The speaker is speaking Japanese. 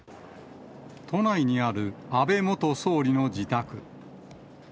都内にある安倍元総理の自宅。